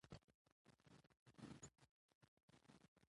غیرت او ننګ په پښتنو کښي فطرتي نغښتی دئ.